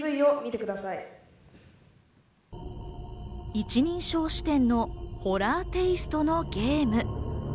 一人称視点のホラーテイストのゲーム。